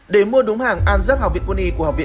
để mua đúng hàng an rắc học viện quân y